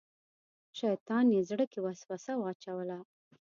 شیطان یې زړه کې وسوسه واچوله.